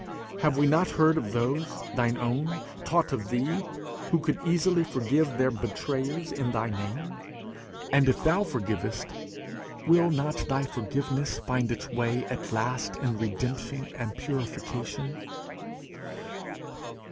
Have we not heard of those, thine own, taught of thee, who could easily forgive their betrayers in thy name? And if thou forgivest, will not thy forgiveness find its way at last in redemption and purification?